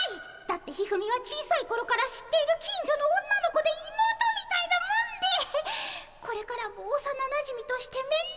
だって一二三は小さいころから知っている近所の女の子で妹みたいなもんでこれからもおさななじみとして面倒を。